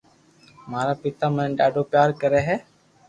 مارو پيتا مني ڌاڌو پيار ڪري ھي